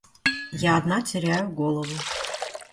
Я одна теряю голову.